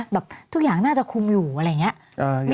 แบบทุกอย่างน่าจะคุมอยู่อะไรอย่างนี้